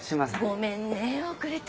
ごめんね遅れて。